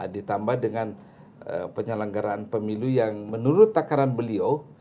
ditambah dengan penyelenggaraan pemilu yang menurut takaran beliau